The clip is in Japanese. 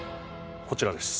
こちらです